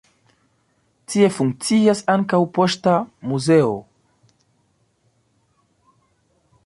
Tie funkcias ankaŭ Poŝta Muzeo.